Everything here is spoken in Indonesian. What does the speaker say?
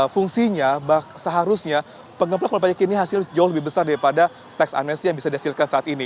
fungsinya seharusnya penggabungan kepalanya kini hasilnya jauh lebih besar daripada tax amnesty yang bisa dihasilkan saat ini